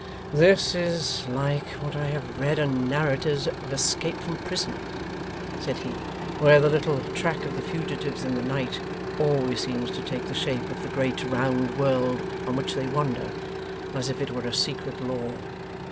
'This is like what I have read in narratives of escape from prison,' said he, 'where the little track of the fugitives in the night always seems to take the shape of the great round world, on which they wander; as if it were a secret law.